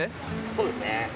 そうですね。